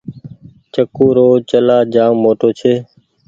چڪو رو چلآ جآم موٽو ڇي۔